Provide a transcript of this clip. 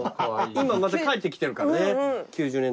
今また帰ってきてるからね９０年代とか。